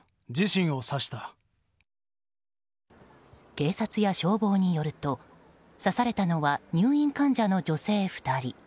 警察や消防によると刺されたのは入院患者の女性２人。